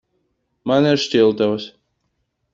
Man ir šķiltavas.